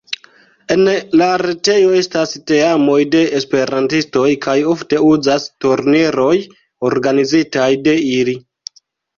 En la retejo estas teamoj de esperantistoj kaj ofte okazas turniroj organizitaj de ili.